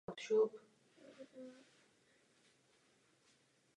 Doufáme, že zpravodaj projeví v tomto ohledu souhlas.